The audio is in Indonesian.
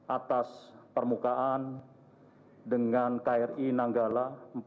atas permukaan dengan kri nanggala empat ratus